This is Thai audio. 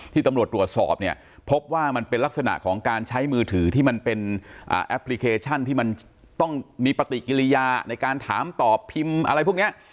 ตำรวจตรวจสอบเนี่ยพบว่ามันเป็นลักษณะของการใช้มือถือที่มันเป็นแอปพลิเคชันที่มันต้องมีปฏิกิริยาในการถามตอบพิมพ์อะไรพวกนี้